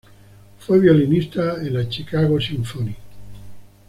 Fue violinista en la Chicago Symphony.